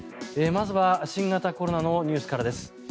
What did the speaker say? まずは新型コロナのニュースからです。